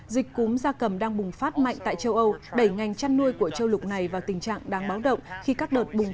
dịch cúm da cầm đang bùng phát mạnh tại châu âu đẩy ngành chăn nuôi của châu lục này vào tình trạng đáng báo động